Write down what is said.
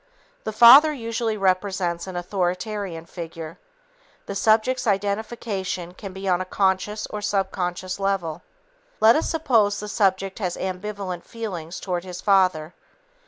The father usually represents an authoritarian figure. The subject's identification can be on a conscious or subconscious level. Let us suppose the subject has ambivalent feelings toward his father.